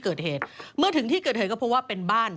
ซึ่งตอน๕โมง๔๕นะฮะทางหน่วยซิวได้มีการยุติการค้นหาที่